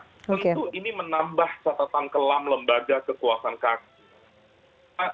tentu ini menambah catatan kelam lembaga kekuasaan kaki